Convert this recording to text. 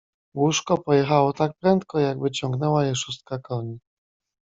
"Łóżko pojechało tak prędko, jakby ciągnęła je szóstka koni."